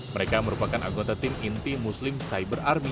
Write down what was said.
mereka merupakan anggota tim inti muslim cyber army